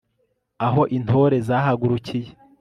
aho intore zahagurukiye